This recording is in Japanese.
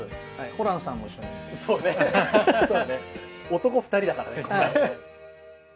男２人だからね。